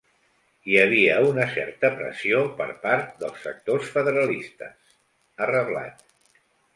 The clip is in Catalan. Hi havia una certa pressió per part dels sectors federalistes, ha reblat.